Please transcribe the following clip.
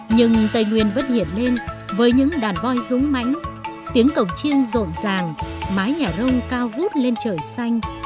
nhưng tây nguyên vất hiển lên với những đàn voi rúng mãnh tiếng cổng chiêng rộn ràng mái nhà rông cao vút lên trời xanh